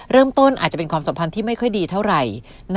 อาจจะเป็นความสัมพันธ์ที่ไม่ค่อยดีเท่าไหร่